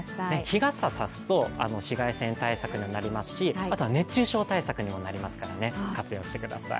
日がさ、さすと紫外線対策にもなりますしあとは熱中症対策にもなりますから活用してください。